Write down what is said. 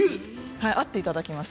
会っていただきました。